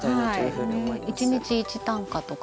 １日１短歌とか。